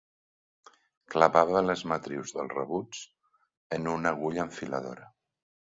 Clavava les matrius dels rebuts en una agulla enfiladora.